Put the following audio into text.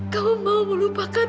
kamu mau melupakan